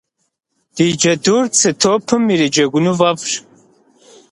Ди джэдур цы топым ириджэгуну фӏэфӏщ.